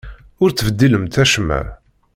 Ur ttbeddilemt acemma!